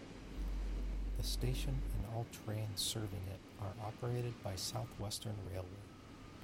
The station and all trains serving it are operated by South Western Railway.